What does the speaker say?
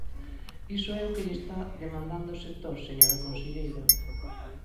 Iso é o que lle está demandando o sector, señora conselleira.